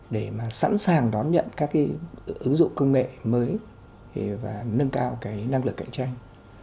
để mà sẵn sàng đón nhận các cái ứng dụng công nghệ mới và nâng cao cái năng lực cạnh tranh